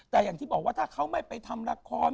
แต่อย่างที่บอกว่าถ้าเขาไม่ไปทำละคร